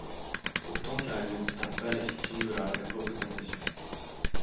Pourtant car elle ne distingue pas la fiction de la représentation.